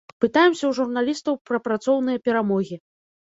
Пытаемся ў журналістаў пра працоўныя перамогі.